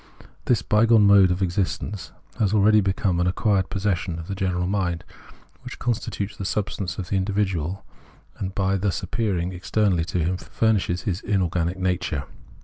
This by gone mode of existence has already become an acquired Preface 27 possession of the general mind, wliicli constitutes the substance of the individual, and, by thus appearing externally to him, furnishes his inorganic nature.